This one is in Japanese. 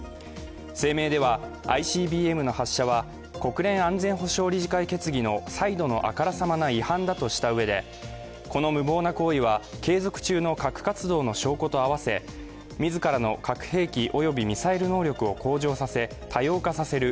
声明では、ＩＣＢＭの発射は国連安全保障理事会決議の再度のあからさまな違反だとしたうえでこの無謀な行為は継続中の核活動の証拠とあわせ自らの核兵器及びミサイル能力を向上させ多様化させる